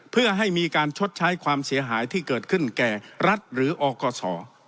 เพื่อให้มีการชดใช้ความเสียหายที่เกิดขึ้นแก่รัฐหรืออกศ